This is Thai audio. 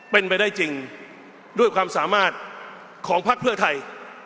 เป็นไปได้จริงด้วยความสามารถของพักเพื่อไทย